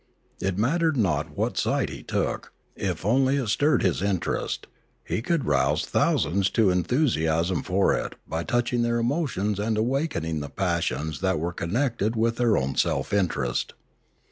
It mattered not what side he took, if only it stirred his interest; he could rouse thousands to enthusiasm for it by touching their emotions and awakening the passions that were connected with their own self interest.